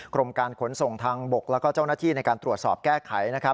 กรมการขนส่งทางบกแล้วก็เจ้าหน้าที่ในการตรวจสอบแก้ไข